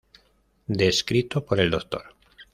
Descrito por el Dr.